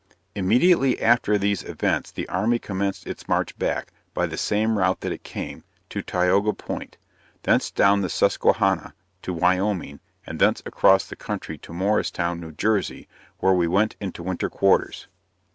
Immediately after these events the army commenced its march back, by the same route that it came, to Tioga Point; thence down the Susquehanna to Wyoming; and thence across the country to Morristown, New Jersey, where we went into winter quarters.